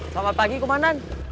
selamat pagi kemanan